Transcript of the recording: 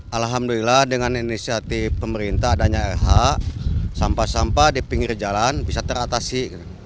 alhamdulillah dengan inisiatif pemerintah adanya rh sampah sampah di pinggir jalan bisa teratasi